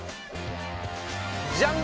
じゃん！